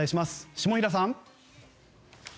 下平さん。